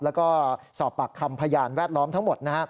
แล้วก็สอบปากคำพยานแวดล้อมทั้งหมดนะครับ